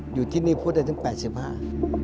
อยู่ที่นี่พูดได้ถึง๘๕เปอร์เซ็นต์